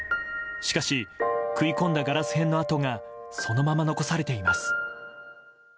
しかし、食い込んだガラス片の跡がそのまま残されています。